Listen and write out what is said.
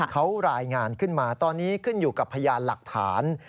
เขารายงานขึ้นมาตอนนี้ขึ้นอยู่กับพยานหลักฐาน